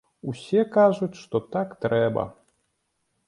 Усе кажуць, што так трэба.